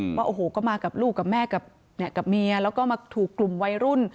ว่าโอ้โหก็มากับลูกกับแม่กับเมียแล้วก็มาถูกกลุ่มวัยรุ่น